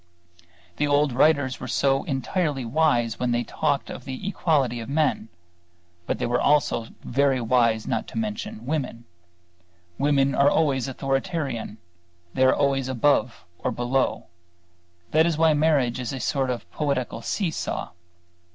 The old writers were entirely wise when they talked of the equality of men; but they were also very wise in not mentioning women. Women are always authoritarian; they are always above or below; that is why marriage is a sort of poetical see saw.